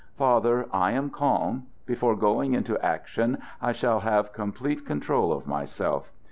Father, I am calm. Before going into action, I shall have complete con trol of myself.